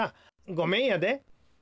ごめんやで。